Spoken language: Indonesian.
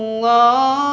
allahu akbar allah